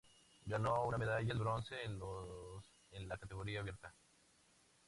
Ganó una medalla de bronce en los en la categoría abierta.